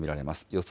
予想